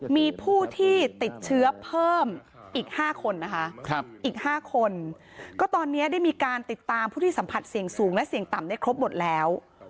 มีผู้ที่ติดเชื้อเพิ่มอีก๕คนนะคะอีก๕คนก็ตอนนี้ได้มีการติดตามผู้ที่สัมผัสเสี่ยงสูงและเสี่ยงต่ำได้ครบหมดแล้ว